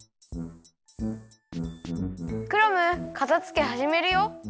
クラムかたづけはじめるよ。